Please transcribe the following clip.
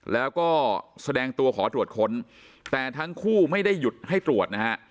แล้วก็แสดงตัวขอตรวจค้นแต่ทั้งคู่ไม่ได้หยุดให้ตรวจนะฮะ